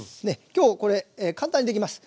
今日これ簡単にできます。